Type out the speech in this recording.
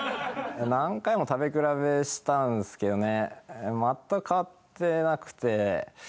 何回も食べ比べしたんですけどね。